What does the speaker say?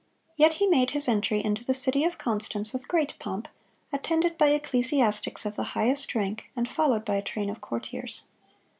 Yet he made his entry into the city of Constance with great pomp, attended by ecclesiastics of the highest rank, and followed by a train of courtiers.